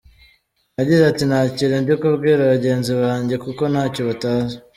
Yagize ati "Nta kintu ndi kubwira bagenzi banjye kuko ntacyo batazi.